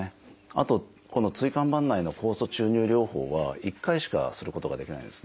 あとこの椎間板内酵素注入療法は１回しかすることができないんですね。